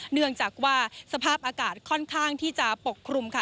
เนื่องจากว่าสภาพอากาศค่อนข้างที่จะปกคลุมค่ะ